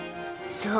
そう。